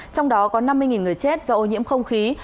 trong đó có năm mươi người chết do ô nhiễm không khí